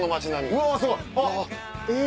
うわすごい！